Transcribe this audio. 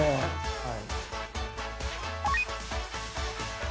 はい。